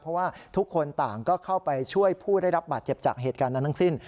เพราะว่าทุกคนต่างก็เข้าไปช่วยผู้ได้รับบาดเจ็บจากเหตุการณ์นั้นทั้งสิ้น